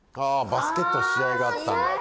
バスケットの試合があったんだ。